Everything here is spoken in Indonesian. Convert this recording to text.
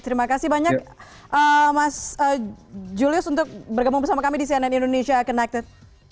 terima kasih banyak mas julius untuk bergabung bersama kami di cnn indonesia connected